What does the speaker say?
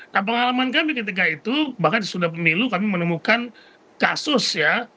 nah pengalaman kami ketika itu bahkan sesudah pemilu kami menemukan kasus ya